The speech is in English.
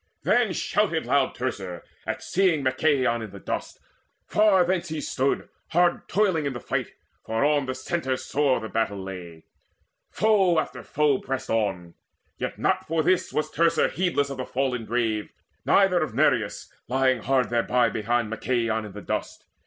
Then shouted loud Teucer, at seeing Machaon in the dust. Far thence he stood hard toiling in the fight, For on the centre sore the battle lay: Foe after foe pressed on; yet not for this Was Teucer heedless of the fallen brave, Neither of Nireus lying hard thereby Behind Machaon in the dust.